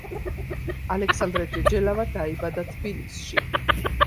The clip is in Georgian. ალექსანდრე ჯეჯელავა დაიბადა თბილისში.